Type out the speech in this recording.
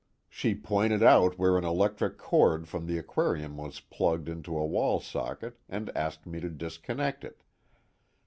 She pointed out where an electric cord from the aquarium was plugged into a wall socket and asked me to disconnect it.